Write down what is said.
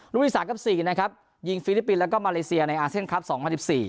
ที่สามกับสี่นะครับยิงฟิลิปปินส์แล้วก็มาเลเซียในอาเซียนคลับสองพันสิบสี่